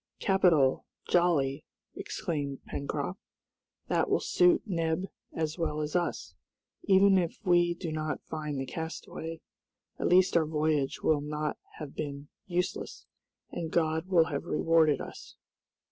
"Capital, jolly!" exclaimed Pencroft. "That will suit Neb as well as us. Even if we do not find the castaway, at least our voyage will not have been useless, and God will have rewarded us."